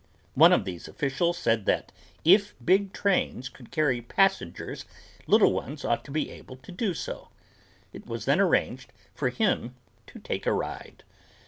One of these officials said that if big trains could carry passengers little ones ought to be able to do so. It was then arranged for him to take a ride.